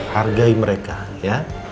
hargai mereka ya